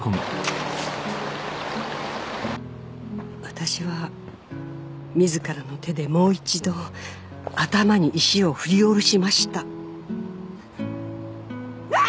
「私は自らの手でもう一度頭に石を振り下ろしました」